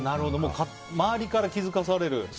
周りから気づかされる。